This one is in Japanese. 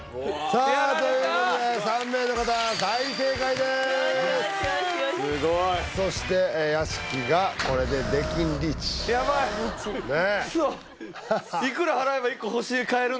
さあということで３名の方大正解ですよしよしよしよしすごいそして屋敷がこれで出禁リーチやばいクソッ